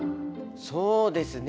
そうですね。